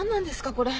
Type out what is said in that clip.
これ。